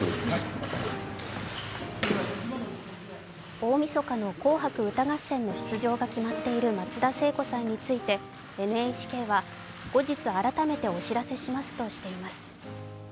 大みそかの「紅白歌合戦」の出場が決まっている松田聖子さんについてＮＨＫは後日改めてお知らせしますとしています。